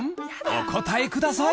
お答えください